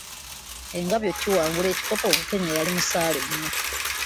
Engabi okiwangula ekikopo Bukenya yali musaale nnyo.